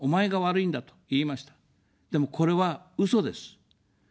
でも、これは、うそです。